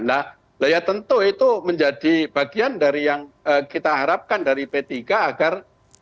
nah ya tentu itu menjadi bagian dari yang kita harapkan dari p tiga agar